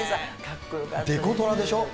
デコトラでしょ？